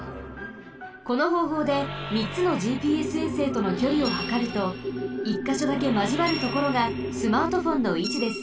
このほうほうでみっつのＧＰＳ衛星とのきょりをはかると１かしょだけまじわるところがスマートフォンのいちです。